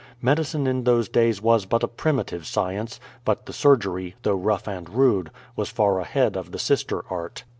Medicine in those days was but a primitive science, but the surgery, though rough and rude, was far ahead of the sister art.